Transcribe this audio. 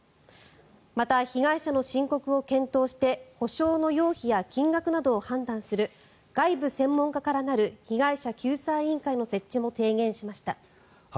また、被害者の申告を検討して補償の要否や金額を判断する、外部専門家からなる被害者救済委員会の設置も提言しました。